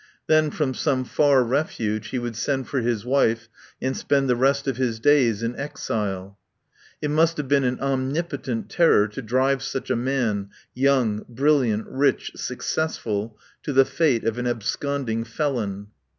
Then from some far refuge he would send for his wife and spend the rest of his days in exile. It must have been an omnipotent terror to drive such a man, young, brilliant, rich, successful, to the fate of an absconding felon.